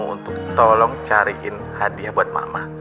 untuk tolong cariin hadiah buat mama